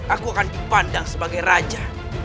aku akan dipandang sebagai raja